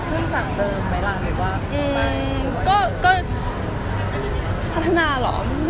อืมก็พัฒนาเหรอ